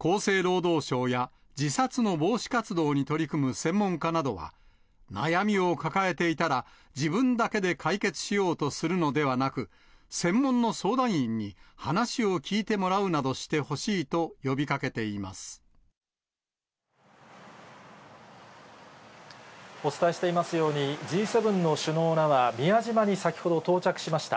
厚生労働省や自殺の防止活動に取り組む専門家などは、悩みを抱えていたら、自分だけで解決しようとするのではなく、専門の相談員に話を聞いてもらうなどしてほしいと呼びかけていまお伝えしていますように、Ｇ７の首脳らは宮島に先ほど、到着しました。